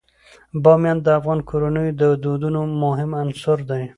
بامیان د افغان کورنیو د دودونو مهم عنصر دی.